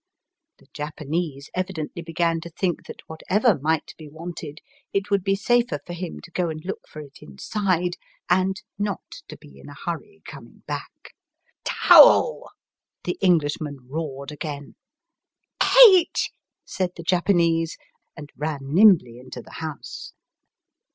The Japanese evidently began to think that whatever might be wanted, it would be safer for him to go and look for it inside, and not to be in a hurry coming back. " Tow el 1 " the EngUshman roared again. " Heich I " said the Japanese, and ran nimbly into the house.